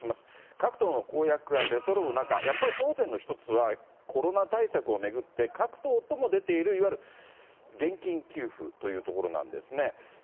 各党の公約が出そろう中、やっぱり争点の一つは、コロナ対策を巡って、各党とも出ている、いわゆる現金給付というところなんですね。